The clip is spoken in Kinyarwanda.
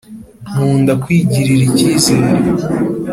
nkunda kwigirira icyizere